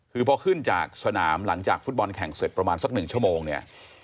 คือพอขึ้นจากสนามหลังจากฟุตบอลแข่งเสร็จประมาณสัก๑ชั่วโมงเนี่ย